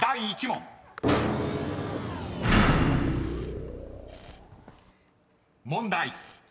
［問題］